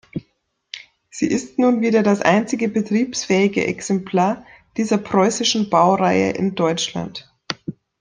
Sie ist nun wieder das einzige betriebsfähige Exemplar dieser preußischen Baureihe in Deutschland.